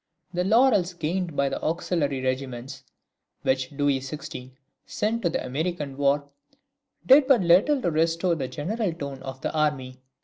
The laurels gained by the auxiliary regiments which Louis XVI. sent to the American war, did but little to restore the general tone of the army.